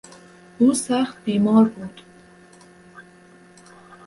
او سخت بیمار بود.